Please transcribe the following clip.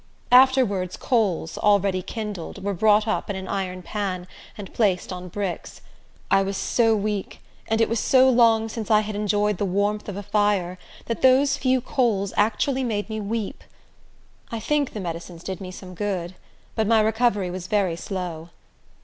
Afterwards coals, already kindled, were brought up in an iron pan, and placed on bricks. I was so weak, and it was so long since I had enjoyed the warmth of a fire, that those few coals actually made me weep. I think the medicines did me some good; but my recovery was very slow.